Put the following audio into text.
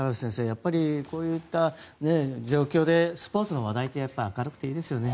やっぱりこういった状況でスポーツの話題って明るくていいですよね。